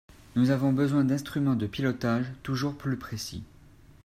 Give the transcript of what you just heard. Nous avons besoin d’instruments de pilotage toujours plus précis.